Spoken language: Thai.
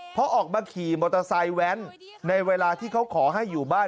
เพราะออกมาขี่มอเตอร์ไซค์แว้นในเวลาที่เขาขอให้อยู่บ้าน